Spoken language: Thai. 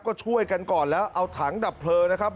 ก็ช่วยกันก่อนแล้วเอาถังดับเพลิงนะครับ